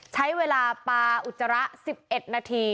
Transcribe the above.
ใช้เวลาปลาอุจจาระ๑๑นาที